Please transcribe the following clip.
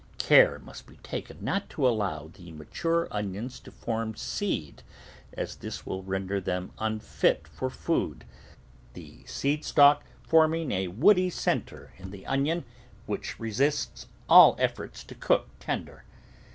Care must be taken not to allow the mature onions to form seed, as this will render them unfit for food, the seed stalk forming a woody centre THE VEGETABLE GARDEN in the onion, which resists all efforts to cook ten der.